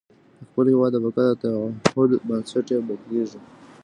د خپل هېواد د بقا د تعهد بنسټ یې بدلېږي.